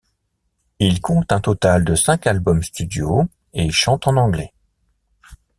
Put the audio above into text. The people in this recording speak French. Ils comptent un total de cinq albums studio, et chantent en anglais.